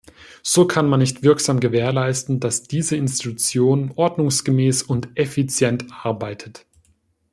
So kann man nicht wirksam gewährleisten, dass diese Institution ordnungsgemäß und effizient arbeitet.